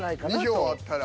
２票あったら。